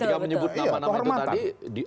ketika menyebut nama nama itu tadi